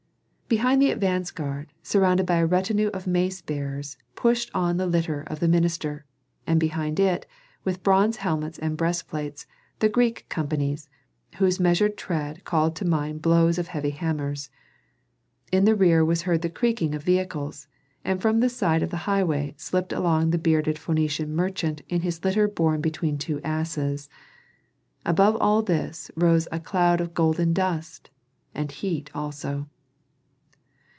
Behind the advance guard, surrounded by a retinue of mace bearers, pushed on the litter of the minister, and behind it, with bronze helmets and breastplates, the Greek companies, whose measured tread called to mind blows of heavy hammers. In the rear was heard the creaking of vehicles, and from the side of the highway slipped along the bearded Phœnician merchant in his litter borne between two asses. Above all this rose a cloud of golden dust, and heat also.